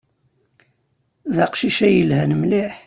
D aqcic ay yelhan mliḥ.